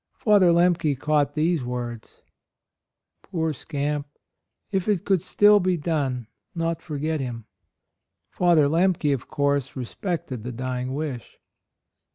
Father Lemke caught these words: "Poor scamp — if it could still be done — not forget him." Father Lemke, of course, re spected the dying wish.